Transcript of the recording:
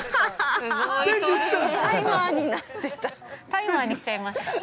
タイマーにしちゃいました。